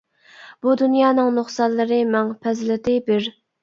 بۇ دۇنيانىڭ نۇقسانلىرى مىڭ، پەزىلىتى بىر.